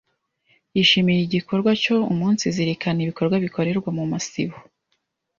yishimiye igikorwa cyo umunsizirikana ibikorwa bikorerwa mu masibo.